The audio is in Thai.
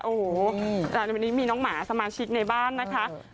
โอ้โหแต่วันนี้มีน้องหมาสมาชิกในบ้านนะคะ